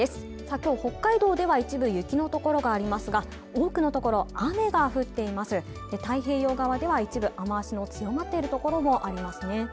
今日、北海道では一部雪の所がありますが多くの所雨が降っていませんで太平洋側では一部雨足の強まっている所もありますね